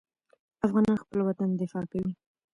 افغانان خپل وطن دفاع کوي.